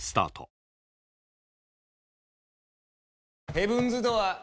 ヘブンズ・ドアー。